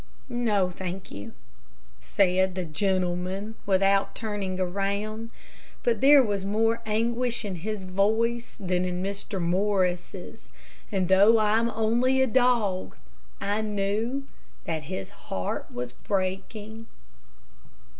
"No, thank you," said the gentleman, without turning around; but there was more anguish in his voice than in Mr. Morris's, and though I am only a dog, I knew that his heart was breaking.